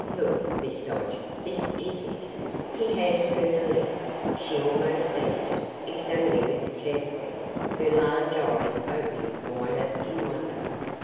"Look, Miss Dodge, this is it." He handed her the letter. She almost seized it, examining it carefully, her large eyes opening wider in wonder.